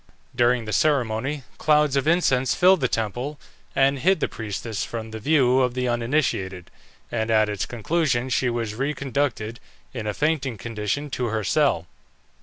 During the ceremony, clouds of incense filled the temple, and hid the priestess from the view of the uninitiated, and at its conclusion she was reconducted, in a fainting condition, to her cell.